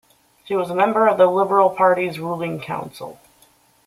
She was a member of the Liberal Party's ruling Council.